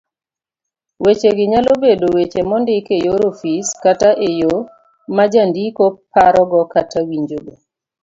Wechegi nyalo bedo weche mondik eyor ofis kata eyo majandiko parogo kata winjogo